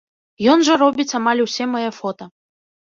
Ён жа робіць амаль усе мае фота.